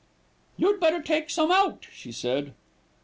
"You'd better take some out," she said.